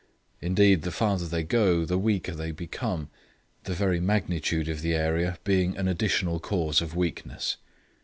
Indeed the farther they go the weaker they become; the very magnitude of the area being an additional cause of weakness.